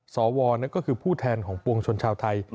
สวนั่นก็คือผู้แทนของปวงชนชาวไทย